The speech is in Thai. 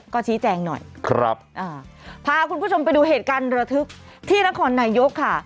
ก็ชี้แจงหน่อยครับอ่าพาคุณผู้ชมไปดูเหตุการณ์ระทึกที่นครนายกค่ะ